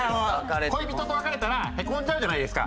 恋人と別れたらへこんじゃうじゃないですか。